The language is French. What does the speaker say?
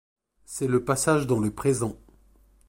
C'est le passage dans le présent.